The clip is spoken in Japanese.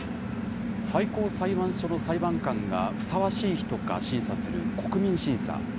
最高裁判所の裁判官がふさわしい人か審査する国民審査。